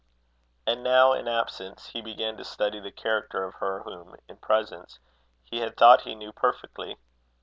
And now, in absence, he began to study the character of her whom, in presence, he had thought he knew perfectly.